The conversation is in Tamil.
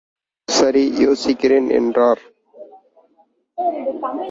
சரி யோசிக்கிறேன் என்றார்.